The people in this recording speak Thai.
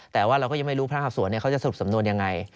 แต่ว่าเราก็ยังไม่รู้พระหาสวนเขาจะสรุปสำนวนยังไง